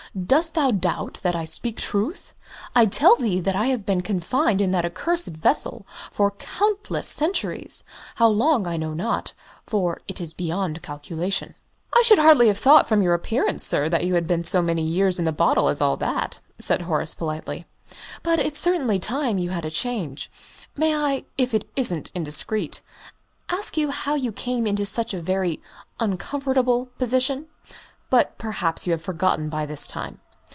"Dost thou doubt that I speak truth? I tell thee that I have been confined in that accursed vessel for countless centuries how long, I know not, for it is beyond calculation." "I should hardly have thought from your appearance, sir, that you had been so many years in bottle as all that," said Horace, politely, "but it's certainly time you had a change. May I, if it isn't indiscreet, ask how you came into such a very uncomfortable position? But probably you have forgotten by this time."